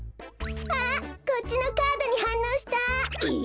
こっちのカードにはんのうした。え？